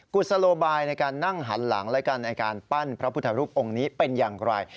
กุศโลบายในการนั่งหันหลังและกันในการปั้นพระพุทธรูปองค์นี้เป็นอย่างไร